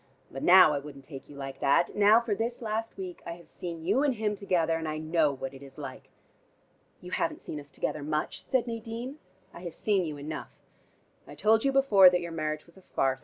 But now I wouldn't take you like that. Now, for this last week, I have seen you and him together, and I know what it is like." "You haven't seen us together much," said Nadine. "I have seen you enough: I told you before that your marriage was a farce.